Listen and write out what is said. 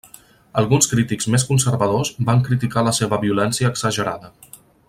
Alguns crítics més conservadors van criticar la seva violència exagerada.